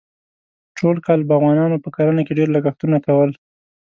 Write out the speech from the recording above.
ټول کال باغوانانو په کرنه کې ډېر لګښتونه کول.